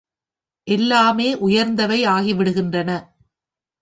எல்லாமே உயர்ந்தவை ஆகிவிடுகின்றன.